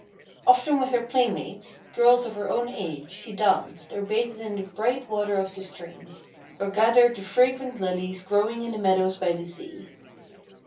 Often with her playmates, girls of her own age, she danced, or bathed in the bright water of the streams, or gathered the fragrant Lilies growing in the meadows by the sea.